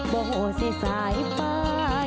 โบสถ์สายป้า